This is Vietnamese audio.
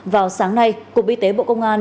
vào sáng nay cục y tế bộ công an